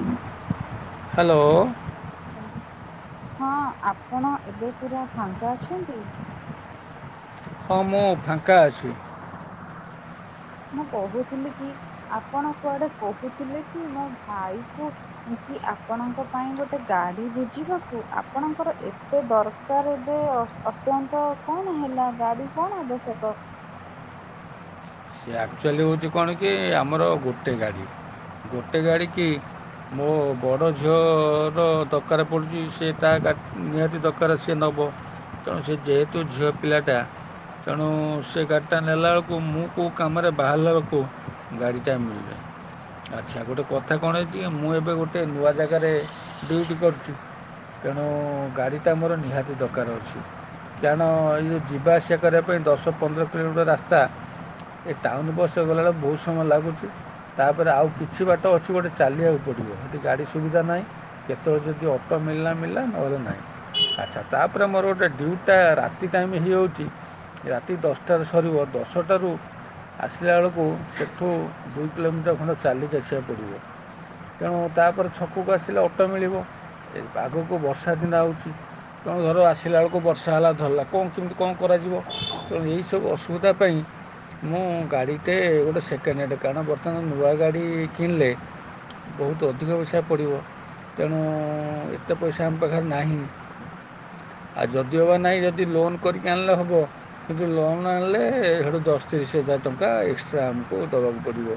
ହଁ [unintelligible] ହାଲୋ ହଁ ଆପଣ ଏବେ ପୁରା ଫାଙ୍କା ଅଛନ୍ତି ହଁ ମୁଁ ଫାଙ୍କା ଅଛି। ମୁଁ କହୁଥିଲି କି ଆପଣ କୁଆଡେ କହୁଥିଲେ କି ମୋ ଭାଇ କୁ କି ଆପଣଙ୍କ ପାଇଁ ଗୋଟେ ଗାଡ଼ି ବୁଝିବାକୁ ଆପଣଙ୍କର ଏତେ ଦରକାର ଏବେ ଅତ୍ୟନ୍ତ କଣ ହେଲା ଗାଡି କଣ ଆବଶ୍ୟକ ସେ ଆକ୍ଚୁଆଲି ହୋଉଛି କଣ କି ଆମର ଗୋଟେ ଗାଡ଼ି ଗୋଟେ ଗାଡ଼ି କି ମୋ ବଡ଼ ଝିଅର ଦରକାର ପଡ଼ୁଛି ସେ ତା ଗା ନିହାତି ଦରକାର ଅଛି ସିଏ ନ ଵ ତେଣୁ ସେ ଯେହେତୁ ଝିଅ ପିଲାଟା ତେଣୁ ସେ ଗାଡ଼ିଟା ନେଲା ବେଳକୁ ମୁଁ କୋଉ କାମରେ ବାହାରିଲା ବେଳକୁ ଗାଡ଼ିଟା ମିଳୁନି। ଆଚ୍ଛା ଗୋଟେ କଥା କଣ ହେଇଛି କି ମୁଁ ଏବେ ଗୋଟେ ନୂଆ ଜାଗାରେ ଡ୍ୟୁଟି କରୁଚି ତେଣୁ ଗାଡ଼ିଟା ମୋର ନିହାତି ଦରକାର ଅଛି କାରଣ ଏଇ ଯୋଉ ଯିବା ଆସିବା କରିବା ପାଇଁ ଦଶ ପନ୍ଦର କିଲୋମିଟର ରାସ୍ତା ଏ ଟାଉନ ବସରେ ଗଲାବେେଳେ ବହୁତ ସମୟ ଲାଗୁଚି। ତାପରେ ଆଉ କିଛି ବାଟ ଅଛି ଗୋଟେ ଚାଲିବାକୁ ପଡ଼ିବ ଏଠି ଗାଡ଼ି ସୁବିଧା ନାହିଁ କେତେବେଳେ ଯଦି ଅଟୋ ମିଲନା ମିଲନା ନ ହେଲେ ନାହି। ଆଚ୍ଛା ତାପରେ ମୋର ଗୋଟେ ଡିଉଟି ଟା ରାତି ଟାଇମ ହେଇଯାଉଛି। ରାତି ଦଶଟାରେ ସରିବ ଦଶଟାରୁ ଆସିଲାବେଳକୁ ସେଠୁ ଦୁଇ କିଲୋମିଟର ଖଣ୍ଡେ ଚାଲିକି ଆସିବାକୁ ପଡ଼ିବ। ତେଣୁ ତାପରେ ଛକକୁ ଆସିଲେ ଅଟୋ ମିଳିବ ଏ ଆଗକୁ ବର୍ଷାଦିନ ଆଉଛି। ପୁଣିଘରୁ ଆସିଲା ବେଳକୁ ବର୍ଷାହେଲା ଧାରିଲା କଣ କେମିତି କଣ କରାଯିବ ତେଣୁ ଏହିସବୁ ଅସୁବିଧା ପାଇଁ ମୁଁ ଗାଡ଼ିଟେ ଗୋଟେ ସେକେଣ୍ଡ ହ୍ୟାଡ଼ କାରଣ ବର୍ତ୍ତମାନ ନୂଆ ଗାଡ଼ି କିଣିଲେ ବହୁତ ଅଧିକ ପଇସା ପଡ଼ିବ ତେଣୁ ଏତେ ପଇସାଆମ ପାଖରେ ନାହିଁ। ହୁଁ ଆଉଁ ଯଦିଓ ନାହିଁ ଯଦି ଲୋନ୍ କରିକି ଆଣିଲହେବ କିନ୍ତୁ ଲୋନ୍ ଆଣିଲେ ଦଶ ତିରିଶ ହଜାର ଟଙ୍କା ଏକ୍ସଟ୍ରା ଆମକୁ ଦବାକୁ ପଡ଼ିବ।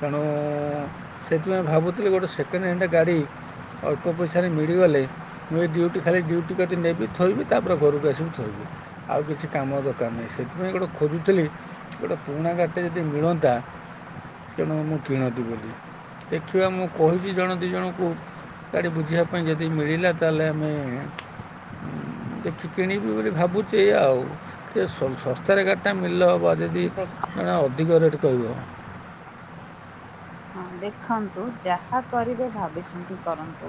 ତେଣୁଁ ଉଁ ସେଥିପାଇଁ ଭାବୁଥିଲି ଗୋଟେ ସେକେଣ୍ଡ ହ୍ୟାଣ୍ଡ ଗାଡି ଅଳ୍ପ ପଇସାରେ ମିଳିଗଲେ ମୁଁ ଏଇ ଡିଉଟି ଖାଲି ଡିଉଟି କାଟି ନେବି ଥୋଇବି ତାପରେ ଘରକୁ ଆସି ସୋଇବି। ଆଉ କିଛି କାମ ଦରକାରନାହିଁ ସେଥିପାଇଁ ଗୋଟି ଖୋଜୁଥିଲି। ଗୋଟେ ପୁରୁଣା ଗାଡ଼ିଟେ ଯଦି ମିଳନ୍ତା ତେଣୁ ମୁଁ କିଣନ୍ତିବୋଲି। ଦେଖିବା ମୁଁ କହିଛି ଜଣେ ଦୁଇ ଜଣଙ୍କୁ। ଗାଡି ବୁଝିବା ପାଇଁ ଯଦି ମିଳିଲା ତାହେଲେ ଆମେ ଦେଖିକିଣିବି ବୋଲି ଭାବୁଛି ଆଉ ଟିକ ଶ-ଶସ୍ତାରେ ଗାଡ଼ିଟା ମିଲେ ହବ ନାଁ। ଯଦି ଦେଖ କାଳେ ଅଧିକ ରେଟ କହିବ। ହଁ ଦେଖନ୍ତୁ ଯାହା କରିବେ ଭାବିଚିନ୍ତି କରନ୍ତୁ।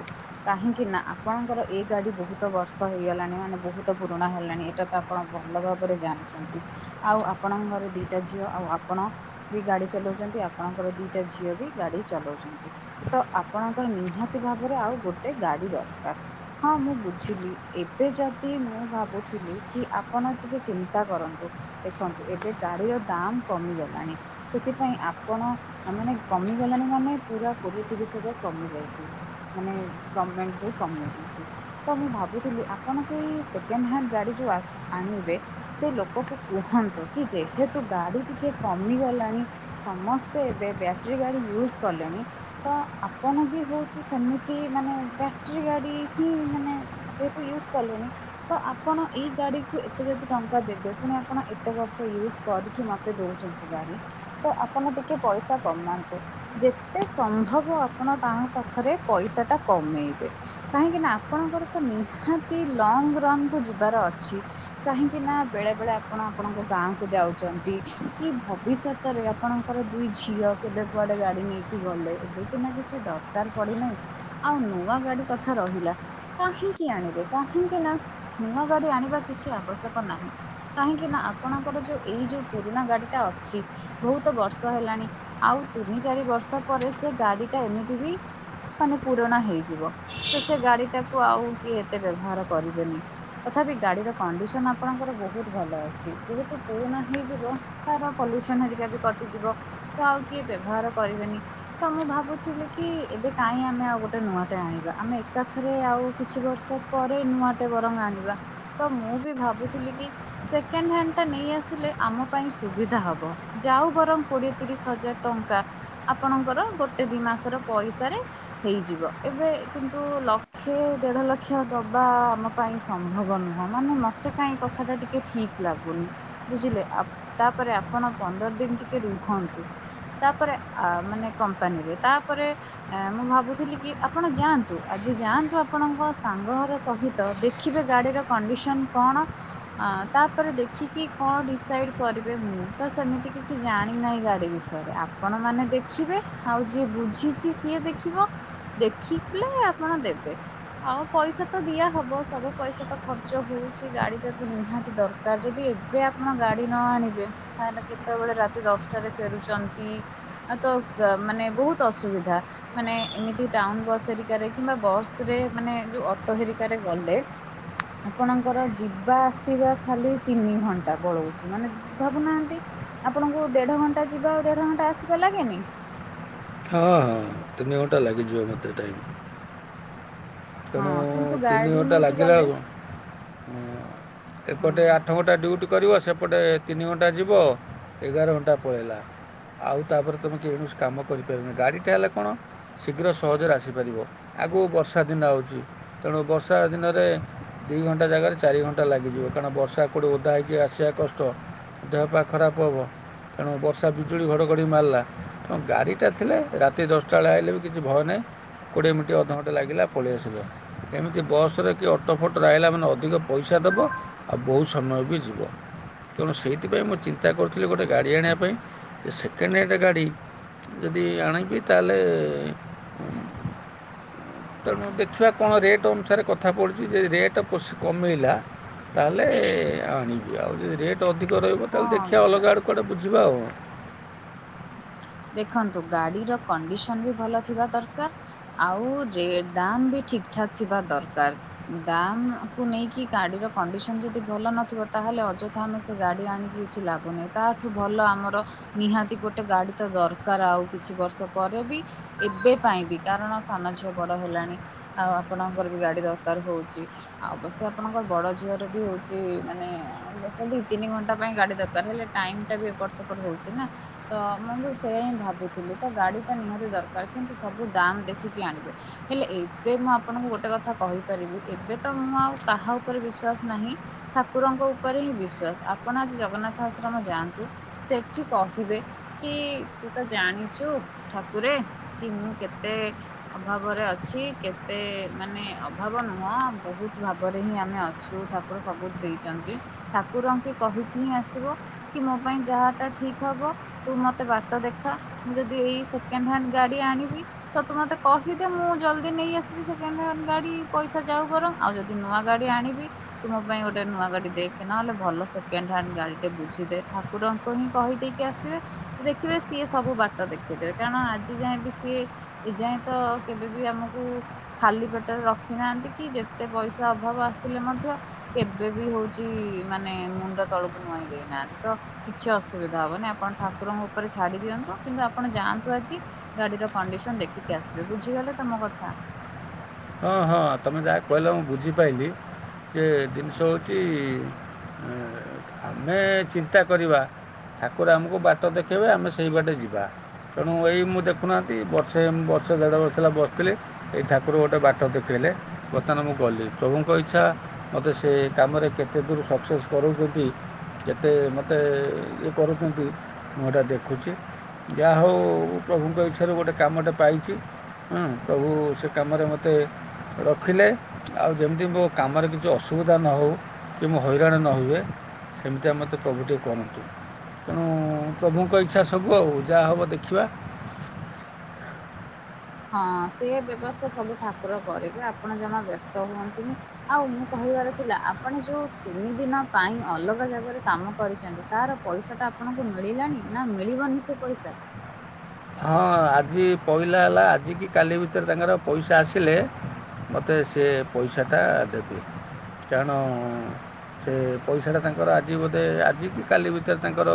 କାହିଁକି ନାଁ ଆପଣଙ୍କର ଏ ଗାଡି ବହୁତ ବର୍ଷ ହେଇଗଲାଣି ମାନେ ବହୁତ ପୁରୁଣା ହେଲାଣି ଏଇଟା ତ ଆପଣ ଭଲ ଭାବରେ ଜାଣିଛନ୍ତି ଆଉ ଆପଣଙ୍କ ଘରେଦିଟା ଝିଅ ଆଉଁ ଆପଣ ବି ଗାଡି ଚଲାଉଛନ୍ତି। ଜି ଆପଣଙ୍କର ଦି ସେଝିଅଟି ବି ଗାଡି ଚଲାଉଛନ୍ତି ତ ଆପଣଙ୍କର ନିହାତି ଭାବରେ ଆଉ ଗୋଟେ ଗାଡି ଦରକାର। ହଁ ମୁଁ ବୁଝିଲି ଏବେ ଯଦି ମୁଁ ଭାବୁଥିଲି କି ଆପଣ ଟିକେ ଚିନ୍ତା କରନ୍ତୁ। ଦେଖନ୍ତୁ ଏବେ ଗାଡିର ଦାମ କମିଗଲାଣି ସେଥିପାଇଁ ଆପଣ ତା ମାନେ କମିଗଲାଣି ମାନେ ପୁରା କୋଡିଏ ତିରିଶ ହଜାର କମି ଯାଇଛି। ମାନେ ଗରମେଣ୍ଟଯଉଁ କମେଇ ଦେଇଛି ତ ମୁଁ ଭାବୁଥିଲି ଆପଣ ସେଇ ସେକେଣ୍ଡ ହ୍ୟାଣ୍ଡ ଗାଡି ବାସ ଆଣିବେ ସେ ଲୋକଙ୍କୁ କୁହତୁ କି ଯେହେତୁ ଗାଡି ଟିକେ କମିଗଲାଣି ସମସ୍ତ ତ ଏବେ ଏବେ ବ୍ୟାଟେରୀ ଗାଡ଼ି ୟୁଜ୍ କଲେଣି ତ ଆପଣ ବି ହଉଛି ସେମିତି ମାନେ ବ୍ୟଟେରୀ ଗାଡି ହିଁ ମାନେ ଯେହେତୁ ୟୁଜ କଲେଣି ତ ଆପଣ ଏଇ ଗାଡି କୁ ଏତେ ଯଦି ଟଙ୍କା ଦେବେ ପୁଣି ଆପଣ ଏତେ ଇଉଜୁ କରିକି ମତେ ଦଉଛନ୍ତି ଗାଡି ତ ଆପଣ ଟି ଟିକେ ପଇସା କମାନ୍ତୁ ଯେତେ ସମ୍ଭବ ଆପଣ ତାଙ୍କ ପାଖରେ ପଇସା ଟା କମେଇ ଇବେ କାହିଁକି ନା ଆପଣଙ୍କର ତ ନିହାତୀ ଲଙ୍ଗରୋଡ଼ କୁ ଯିବାର ଅଛି କାହିଁକି କିି ନାଁ ବେଳେ ବେଳେ ଆପଣ ଆପଣଙ୍କ ଗାଁକୁ ଯାଉଛନ୍ତି କି ଭବିଷ୍ୟତରେ ଆପଣ ଆପଣ ଦୁଇ ଝିଅ କେବେ କୁଆଡେ ଗାଡି ନେଇକି ଗଲେ ଏବେ ସିନା କିଛି ଦରକାର ପଡିନାହିଁ ଆଉ ନୂଆ ଗାଡି କଥା ରହିଲା କାହିଁକି ଆଣିବେ କାହିଁକି ନାଁ ନୂଆ ଗାଡି ଆଣିବା କିଛି ଆବ ଆବଶ୍ୟକ ନାହିଁ କାହିଁକି ନାଁ ଆପଣଙ୍କର ଯୋଉ ଏଇ ଯୋଉ ପୁରୁଣା ଗାଡିଟା ଅଛି ବହୁତ ବହୁତ ବର୍ଷ ହେଲାଣି ଆଉ ତିନି ଚାରି ବର୍ଷ ପରେ ସେ ଗାଡି ଟା ଏମିତି ବି ମାନେ ପୁରଣା ହେଇଯିବ ତ ସେ ଗାଡି ଟାକୁ ଆଉ କିଏ ଏତେ ବ୍ୟବହାର କରିବେନି। ତଥାପି ଗାଡିର କଣ୍ଡିସନ ଆପଣଙ୍କର ବହୁତ ଭଲ ଅଛି ଯେହେତୁ ପୁରୁଣା ହେଇଯିବ ତାରପରେ ଟିଉସନ ହରିକା ବି କରି ଯିବ ତ ଆଉ କିଏ ବ୍ୟବହାର କରିବେନି ତ ମୁଁ ଭାବୁିଚିଲିକି ଏବେ କାହିଁ ଆମେ ଆଉ ଗୋଟେ ନୂଆଟେ ଆଣିବା ଆମେ ଏକାଥରେ ଆଉ କିଛି ବର୍ଷ ପରେ ନୂଆଟେ ବରଙ୍ଗ ଆଣିବା। ତ ମୁଁ ବି ଭାବୁଥିଲି କି ସେକେଣ୍ଡ ହ୍ୟାଣ୍ଡ ଟା ନେଇଁ ଆସିଲେ ଆମ ପାଇଁ ସୁବିଧା ହବ ଯାଉ ବରଂ କୋଡିଏ ତିରିଶ ହଜାର ଟଙ୍କା ଆପଣଙ୍କର ଗୋଟେ ଦି ମାସର ପଇସାରେ ହେଇଯିବ। ଏବେ କିନ୍ତୁ ଲକ୍ଷେ ଦେଢ ଲକ୍ଷ ଦବା ଆମ ପାଇଁ ସମ୍ଭବ ନୁହଁ ମାନେ ମତେ କାହିଁ କଥା ଟା ଟିକେ ଠିକ ଲାଗୁନି ବୁଝିଲେ ଆପ୍ ତାପରେ ଆପଣ ପନ୍ଦରଦିନ ଠି କି ରୁହନ୍ତୁ ତାପରେ ମାନେ କମ୍ପାନୀରେ ତାପରେ ମୁଁ ଭାବୁଥିଲି କି କି ଆପଣ ଯାଆନ୍ତୁ ଆଜି ଯାଆନ୍ତୁ ଆପଣଙ୍କ ସାଙ୍ଗଘର ସହିତ ଦେଖିବେ ଗାଡ଼ିର କଣ୍ଡିସନ କଣ ତାପରେ ଦେଖିକି କଣ ଡିସାଇଡ କରିବେ ମୁଁ ତ ସେମିତି କି କିଛି ଜାଣି ନାହିଁ ଗାଡି ବିଷୟରେ। ଆପଣ ମାନେ ଦେଖିବେ ଆଉ ଯିଏ ବୁଝିଚି ସିଏ ଦେଖିବ ଦେଖିଥିଲେ ଆପଣ ଦେବେ। ଆଉ ପଇସା ତ ଦିଆ ହବ ସବୁ ପଇସା ତ ଖର୍ଚ୍ଚ ହଉଚି ଗାଡି ଟା ତ ନିହାତି ଦରକାର। ଯଦି ଏବେ ଆପଣ ଗାଡି ନ ଆଣିବେ ତାହେଲେ କେ କେତେବେଳେ ରାତି ଦଶଟାରେ ଫେରୁଛନ୍ତି ତ ମାନେ ବହୁତ ଅସୁବିଧା। ମାନେ ଏମିତି ଟାଉନ ବସ୍ ହେରିକାରେ କିମ୍ବା ବସ ରେ ମାନେ ଯୋଉ ଅଟୋ ହେରିକାରେ ଗଲେ ଆପଣଙ୍କର ଯିବା ଆସିବା ଖାଲି ତିନି ଘଣ୍ଟା ପଳଉଚି। ମାନେ ଭାବୁନାହାନ୍ତି ଆପଣଙ୍କୁ ଦେଢ ଘଣ୍ଟା ଯିବା ଆଉ ଦେଢ ଘଣ୍ଟା ଆସିବା ଲାଗେନି। ହଁ ହଁ ତିନି ଘଣ୍ଟା ଲାଗିଯିବ ମୋତେ ଟାଇମ୍। ତେଣୁ ହଁ କିନ୍ତୁ ତିନି ଗାଡି ଘଣ୍ଟା ନେଇକି ଲାଗିଲା ଗଲେ ବେଳକୁ ଉଁ ହଁ ଏପଟେ ଆଠ ଘଣ୍ଟା ଡ୍ୟୁଟି କୁ କରିବ ସେପଟେ ତିନି ଘଣ୍ଟା ଯିବ। ଏଗାର ଘଣ୍ଟା ପଳେଇଲା। ଆଉ ତାପରେ ତମେ ତେଣୁ କିଛି କାମ କରିପାରିବନି। ଗାଡିଟା ହେଲେ କଣ ଶୀଘ୍ର ସହଜରେ ଆସିପାରିବ। ଆଗକୁ ବର୍ଷା ଦିନ ଆଉଚି। ତେଣୁ ବର୍ଷା ଦିନରେ ଦୁଇ ଘଣ୍ଟା ଜାଗାରେ ଚାରି ଘଣ୍ଟା ଲାଗିଯିବ। କାରଣ ବର୍ଷା ଏପଟୁ ଓଦା ହେଇକି ଆସିବା କଷ୍ଟ। ଦେହ ପା ଖରାପ ହବ। ତେଣୁ ବର୍ଷା ବିଜୁଳି ଘଡ଼ଘଡ଼ି ମାରିଲା, ତ ଗାଡ଼ିଟା ଥିଲେ ରାତି ଦଶଟା ବେଳେ ଆଇଲେ ବି କିଛି ଭୟ ନାହିଁ। କୋଡିଏ ମିନଟି ଅଧଘଣ୍ଟେ ଲାଗିଲା ପଳେଇ [unintelligible] ଏମିତି ବସ୍ ରେ କି ଅଟୋ ଫଟୋ ରେ ଆଇଲା ମାନେ ଅଧିକ ପଇସା ଦେବ ଆଉ ବହୁତ ସମୟ ବି ଯି ଯିବ। ତେଣୁ ସେଇଥିପାଇଁ ମୁଁ ଚିନ୍ତା କରୁଥିଲି ଗୋଟେ ଗାଡ଼ି ଆଣିବା ପାଇଁ ଯେ ସେକେଣ୍ଡ ହ୍ୟାଣ୍ଡ ଗାଡ଼ି ଯଦି ଆଣିବି ତାହେଲେ ତେଣୁ ଦେଖିବା କଣ ରେଟ୍ ଅନୁସାରେ କଥାପଡ଼ିଚି ଯଦି [unintelligible] କମେଇଲା ତାହେଲେ ଆଣିବି ଆଉ ଯଦି ରେଟ୍ ଅଧିକ [unintelligible] ତାହେଲେ ଦେଖିବା ହଁ ଅଲଗା ଆଡ଼େ କୁଆଡ଼େ ବୁଝିବା ଆଉ। ଦେଖନ୍ତୁ ଗାଡିର କଣ୍ଡିସନ ବି ଭଲ ଥିବା ଦରକାର ଆଉ ରେ ଦାମ୍ ବି ଠିକ ଠାକ୍ ଥିବା ଦରକାର ଦାମ କୁ ନେଇକି ଗାଡିର କଣ୍ଡିସନ ଯଦି ଭଲ ନଥିବ ତା ତାହେଲେ ଅଯଥା ଆମେ ସେ ଗାଡି ଆଣିକି କିଛି ଲାଭ ନାହିଁ ତାଠୁ ଭଲ ଆମର ନିହାତି ଗୋଟେ ଗାଡି ତ ଦରକାର ଆଉ କିଛି ବର୍ଷ ପରେ ବି ଏବେ ପାଇଁ ବି କାରଣ ସାନ ଝିଅ ବଡ ହେଲାଣି ଆଉ ଆପଣଙ୍କର ବି ଗାଡି ଦରକାର ହୋଉଛି ଆଉ ଅବଶ୍ୟ ଆପଣଙ୍କ ବଡ ଝିଅର ବି ହୋଉଛି ମାନେ ଆଉ ଅବଶ୍ୟ ତିନି ଘଣ୍ଟା ପାଇଁ ଗାଡି ଦରକାର। ହେଲେ ଟାଇମ ଟା ବି ଏପଟ ସେପଟ ହଉଚି ନା। ତ ହିଁ ମୁଁ ସେଇୟା ହିଁ ଭାବୁଥିଲି ତ ଗାଡି ଟା ନିହାତି ଦରକାର। କିନ୍ତୁ ସବୁ ଦାମ ଦେଖିକି ଆଣିବେ। ହେଲେ ଏ ଏବେ ମୁଁ ଆପଣଙ୍କୁ ଗୋଟେ କଥା କହିପାରିବି ଏବେ ତ ମୁଁ ଆଉ କାହା ଉପରେ ବିଶ୍ଵାସ ନାହିଁ। ଠାକୁ ଠାକୁରଙ୍କ ଉପରେ ହିଁ ବିଶ୍ଵାସ। ଆପଣ ଆଜି ଜଗନ୍ନାଥ ଆଶ୍ରମ ଯାଆନ୍ତୁ। ସେଠି କହିବେ କି ତୁ ତ ଜାଣିଚୁ ଠାକୁରେ କି ମୁଁ କେତେ ଅଭାବରେ ଅଛି ଛି କେତେ ମାନେ ଅଭାବ ନୁହଁ ବହୁତ ଭାବରେ ହିଁ ଆମେ ଅଛୁ। ଠାକୁର ସବୁ ଦେଇଛନ୍ତି। ଠାକୁରଙ୍କେ କହିକି ହିଁ ଆସିବ କି ମୋ ପାଇଁ ଯାହା ଟା ଠିକ୍ ହବ ତୁ ମତେ ବାଟ ଦେଖା। ମୁଁ ଯଦି ଏଇ ସେକେଣ୍ଡ ହ୍ୟାଣ୍ଡ ଗାଡି ଆଣିବି ତ ତୁ ମତେ କହିଦେ ମୁଁ ଜଲଦି ନେଇ ଆସିବି ସେକେଣ୍ଡ ହାଣ୍ଡ ଗାଡି ପଇସା ଯାଉ ବରଂ। ଆଉ ଯଦି ନୂଆ ଗାଡି ଆଣିବି ତୁ ମୋ ପାଇଁ ଗୋଟେ ଟେ ନୂଆ ଗାଡି ଦେଖେ। ନହେଲେ ଭଲ ସେକେଣ୍ଡ ହ୍ୟାଣ୍ଡ ଗାଡିଟେ ବୁଝିଦେ। ଠାକୁରଙ୍କୁ ହିଁ କହିଦକି ଆସିବେ ସେ ଦେଖିବେ ସିଏ ସବୁ ବାଟ ଦେଖେଇଦେବେ। କାରଣ ଆଜି ଯାଏଁ ବି ସିଏ ଏ ଯାଏଁ ତ କେବେ ବି ଆମକୁ ଖାଲି ପେଟରେ ରଖିନାହାନ୍ତି କି ଯେତେ ପଇସା ଅଭାବ ଆସିଲେ ମଧ୍ୟ କେବେ କେବେ ବି ହଉଚି ମାନେ ମୁଣ୍ଡ ତଳକୁ ନୁଆଇଁ ଦେଇନାହାନ୍ତି। ତ କିଛି ଅସୁବିଧା ହବନି। ଆପଣ ଠାକୁ ଠାକୁରଙ୍କ ଉପରେ ଛାଡି ଦିଅନ୍ତୁ। କିନ୍ତୁ ଆପଣ ଯାଆନ୍ତୁ ଆଜି ଗାଡିର କଣ୍ଡିସନ ଦେଖିକି ଆସିବେ। ବୁଝି ଗଲେତ ମୋ କଥା। ଅ ହଁ ତମେ ଯାହା କହିଲ ମୁଁ ବୁଝିପାଇଲିି। ଯେ ଜିନିଷ ହଉଚି ଆମେ ଚିନ୍ତା କରିବା ଠାକୁର ଆମକୁ ବାଟ ଦେଖେଇବେ ଆମେ ସେଇ ବାଟେ ଯିବା ତେଣୁ ଏଇ ମୁଁ ଦେଖୁନାହାନ୍ତି, ବର୍ଷେ ବର୍ଷ ଦେଢ଼ ବର୍ଷ ହେଲା ବସିଥିଲି ଏଇ ଠାକୁର ଗୋଟେ ବା ହଟ ଦେଖାଇଲେ ବର୍ତ୍ତମାନ ମୁଁ ଗଲି ପ୍ରଭୁଙ୍କ ଇଚ୍ଛା ମୋତେ ସେ କାମରେ କେତେ ଦୂର ସକ୍ସେସ୍ କର କରୁଛନ୍ତି, କେତେ ମୋତେ ଇଏ କରୁଛନ୍ତି, ମୁଁ ଏଇଟା ଦେଖୁଛି ଯାହା ହଉ ପ୍ରଭୁଙ୍କ ଇଚ୍ଛାରୁ ଗୋଟେ କାମଟେ ପାଇଛି ପ୍ରଭୁ ସେ କାମରେ ମୋତେ ମୋତେ ରଖିଲେ ଆଉ, ଯେମିତି ମୋ କାମରେ କିଛି ଅସୁବିଧା ନ ହେଉ। କି ମୁଁ ହଇରାଣ ନ ହୁଏ, ସେମିତିଆ ମୋତେ ପ୍ରଭୁଟିିକେ କରନ୍ତୁ। ତେଣୁ ପ୍ରଭୁଙ୍କ ଇଛାସବୁ, ଆଉ ଯାହା ହବ ଦେଖିବା। ହଁ ସେ ବ୍ୟବସ୍ଥା ସବୁ ଠାକୁର କରିବେ ଆପଣ ଜମା ବ୍ୟସ୍ତ ହୁଅନନ୍ତୁନି ଆଉ ମୁଁ କହିବି ଥିବାରଥିଲା ଆପଣ ଯୋଉ ତିନି ଦିନ ପାଇଁ ଅଲଗା ଜାଗାରେ କାମ କରିଛନ୍ତି, ତାର ପଇସାଟା ଆପଣଙ୍କୁ ଆପଣଙ୍କୁମିଳିଲାଣି, ନା ମିଳିବନି ସେ ପଇସା। ହଁ ଆଜି ପହିଲା ହେଲା ଆଜିିକି କାଲି ଭିତରେ ତାଙ୍କର ପଇସା ଆସିଲେ ମୋତେ ସେ ପଇସାଟା ଦେବେକାରଣ ସେ ପଇସାଟା ତାଙ୍କର ଆଜି ବୋଧେ, ଆଜିିକି କାଲି ଭିତରେ ତାଙ୍କର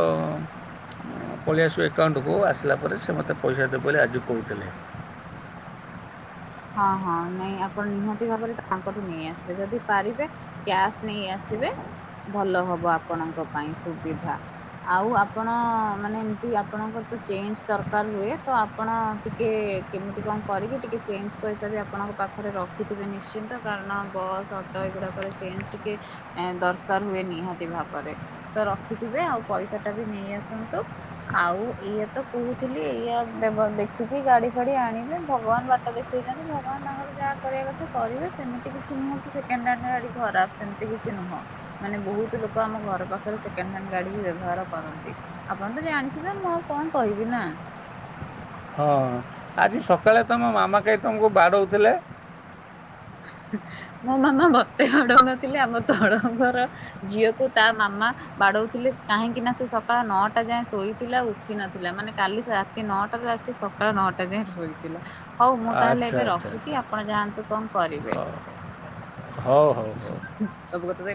ପଳେଇଆସିବଏକଉଣ୍ଟକୁ, ଆସିଲା ପରେ ସେ ମୋତେ ପଇସା ଦେବେ ବୋଲି ଆଜି କହୁଥିଲେ। ହଁ, ହଁ ନାଇଁ ଆପଣ ନିହାତି ଭାବରେ ତାଙ୍କଠୁ ନେଇ ଆସିବେ ଯଦି ପାରିବେ କ୍ୟାସ୍ ନେଇ ଆସି ତେବେଭଲ ହବ ଆପଣଙ୍କ ପାଇଁ ସୁବିଧା ଆଉ ଆପଣ ମାନେ, ଏମତି ଆପଣଙ୍କର ତ ଚେଞ୍ଜ ଦରକାର ହୁଏ ତ ଆପଣ ଟିକେ କେମିତି କଣ କରିକି ଟିକେ ଚେଞ୍ଜ ପଇସା ବି ଆପଣଙ୍କ ପାଖରେ ରଖିଥିବେ ନିଶ୍ଚିନ୍ତ କାରଣ ବସ୍, ଅଟୋ ଏଗୁଡାକରେ ଚେଞ୍ଜ ଟିକେ ଦରକାର ହୁଏ ନିହାତି ଭାବରେ, ତ ରଖିଥିବେ ଆଉ ପଇସାଟା ବି ନେଇ ଆସନ୍ତୁ ଆଉ, ଇଆା ତ କହୁଥିଲି ଇଆ ବେବଦେଖିକି ଗାଡି ଫାଡି ଆଣିବେ ଭଗବାନ ବାଟ ଦେଖ ସେଇଛନ୍ତି ଭଗବାନ ତାଙ୍କର ଯାହା କରିବା କଥା କରିବେ, ସେମିତି କିଛି ନୁହଁ କି ସେ ସେକେଣ୍ଡହ୍ୟାଣ୍ଡଗାଡି ଖରାପ, ସେମିତି କିଛି ନୁହଁ ମାନେ ବହୁତ ଲୋକ ଆମ ଘର ପାଖରେ ସେକେଣ୍ଡ ହାଣ୍ଡ ଗାଡି ବ୍ୟବହାର କରନ୍ତି, ଆପଣ ତଜାଣି ଏବେମୁଁ ଆଉ କଣ କହିବି ନା? ହଁ, ଆଜି ସକାଳେ ତମ ମାମା କାଇଁ ତମକୁ ବାଡ଼ଉଥିଲେ? ମୋ ମାମା ମତେ ବାଡଉନଥିଲେ, ଆମ ତଳଘରଝିଅକୁ ତା ମାମା ବାଡଉଥିଲେ, କାହିଁକି ନା ସେ ସକାଳ ନଅଟା ଯାଏ ଶୋଇଥିଲା ଉଠି ନଥିଲା ମାନେ କାଲି ରାତି ନଅଟା ରା ସକାଳ ନଅଟା ଯାଏ ଶୋଇଥିଲା ହଉ, ମୁଁ ତାହେଲେ ଆଚ୍ଛା ଏବେ ଆଚ୍ଛା ରଖୁଛି ଆଚ୍ଛା ଆପଣ ଯାଆନ୍ତୁ କଣ କରିବେ। ହଉ ହଉ, ହଉ, ସବୁ ହଉ। କଥା